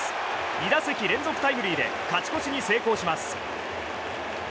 ２打席連続タイムリーで勝ち越しに成功します。